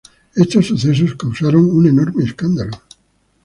Estos sucesos causaron un enorme escándalo.